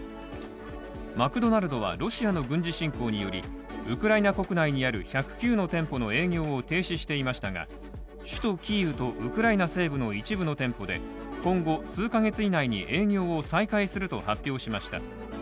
マクドナルドはロシアの軍事侵攻によりウクライナ国内にある１０９の店舗の営業を停止していましたが首都キーウとウクライナ西部の一部の店舗で今後、数カ月以内に営業を再開すると発表しました。